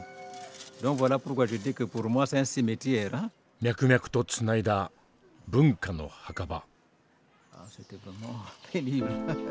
脈々とつないだ文化の墓場。